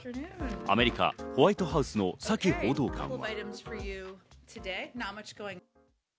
アメリカ、ホワイトハウスのサキ報道官は。